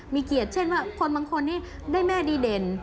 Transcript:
มีเกียรติเช่นว่าคนบางคนนี้ได้แม่ดีเด่น